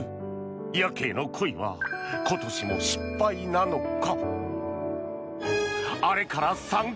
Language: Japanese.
ヤケイの恋は今年も失敗なのか。